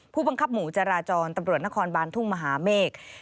ผู้บังคับหมู่จราจรตำรวจนครบานทุ่งมหาเมฆ